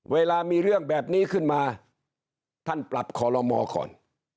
เวลามีเรื่องแบบนี้ขึ้นมาท่านปรับคอลโลมอก่อน